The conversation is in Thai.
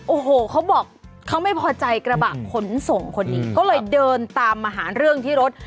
โอ้โหเขาบอกเขาไม่พอใจกระบะขนส่งคนนี้ก็เลยเดินตามมาหาเรื่องที่รถ